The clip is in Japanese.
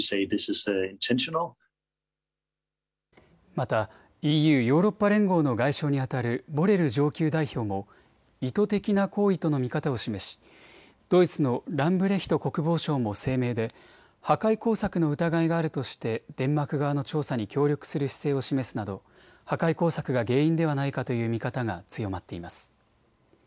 またＥＵ・ヨーロッパ連合の外相にあたるボレル上級代表も意図的な行為との見方を示し、ドイツのランブレヒト国防相も声明で破壊工作の疑いがあるとしてデンマーク側の調査に協力する姿勢を示すなど破壊工作が原因ではないかという見方が強まっています。